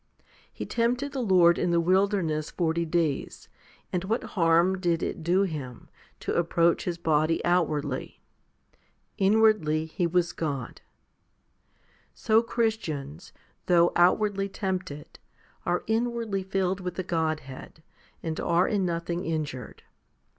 He tempted the Lord in the wilderness forty days, and what harm did it do Him, to approach His body outwardly ? Inwardly He was God. So Christians, though outwardly tempted, are in wardly filled with the Godhead, and are in nothing injured.